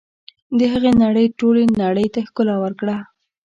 د هغه نړۍ ټولې نړۍ ته ښکلا ورکړه.